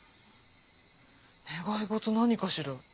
願い事何かしら？